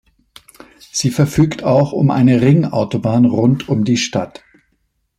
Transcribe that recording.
Sie verfügt auch um eine Ringautobahn rund um die Stadt.